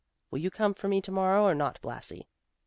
Will you come for me tomorrow or not, Blasi?"